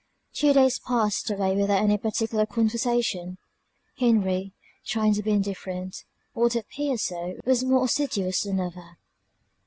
Two days passed away without any particular conversation; Henry, trying to be indifferent, or to appear so, was more assiduous than ever.